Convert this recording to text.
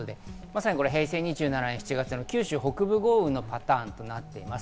平成２７年７月の九州北部豪雨のパターンになります。